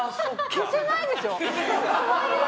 消せないでしょ！